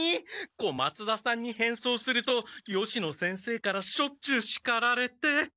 小松田さんに変装すると吉野先生からしょっちゅうしかられて。